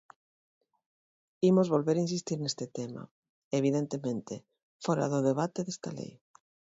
Imos volver insistir neste tema, evidentemente, fóra do debate desta lei.